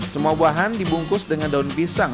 semua bahan dibungkus dengan daun pisang